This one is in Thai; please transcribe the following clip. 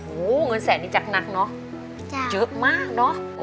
โหเงินแสนนิจักรนักเนาะเยอะมากเนาะ